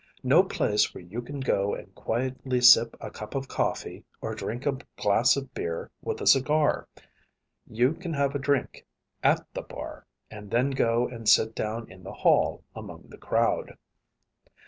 No place where you can go and quietly sip a cup of coffee or drink a glass of beer with a cigar. You can have a drink at the bar, and then go and sit down in the hall among the crowd.